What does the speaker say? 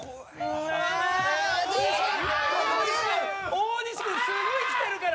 大西君すごい来てるから！